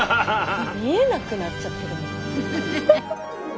見えなくなっちゃってるもん。